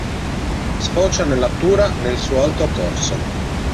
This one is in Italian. Sfocia nella Tura nel suo alto corso.